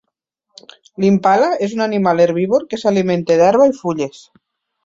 L'impala és un animal herbívor que s'alimenta d'herba i fulles.